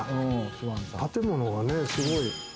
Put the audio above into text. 建物がすごい！